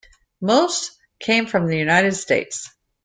Most came from the United States.